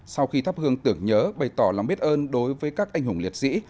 sau khi thắp hương tưởng nhớ bày tỏ lòng biết ơn đối với các anh hùng liệt sĩ